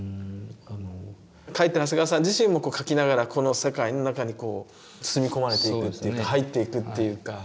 描いてる長谷川さん自身も描きながらこの世界の中にこう包み込まれていくっていうか入っていくっていうか。